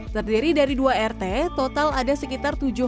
terdiri dari dua rt total ada sekitar tujuh